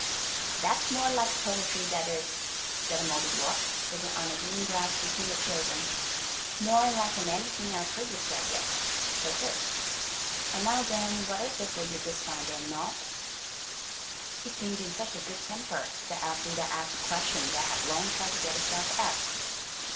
"That's more like poetry, that is," said the Mouldiwarp, sitting on the green grass between the children; "more lik'n anything I've heard ye say yet–so 'tis. An' now den, what is it for you dis fine day an' all?" It seemed in such a good temper that Elfrida asked a question that had long tried to get itself asked.